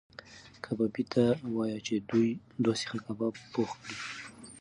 کبابي ته وایه چې دوه سیخه کباب پخ کړي.